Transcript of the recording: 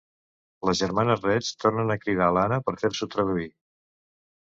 Les germanes Reig tornen a cridar l'Anna per fer-s'ho traduir.